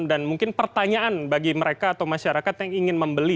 dan mungkin pertanyaan bagi mereka atau masyarakat yang ingin membeli